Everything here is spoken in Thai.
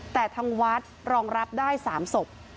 แต่ทางวัดรองรับได้๓ศพ